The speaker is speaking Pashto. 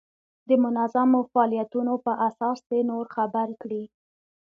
د منظمو فعالیتونو په اساس دې نور خبر کړي.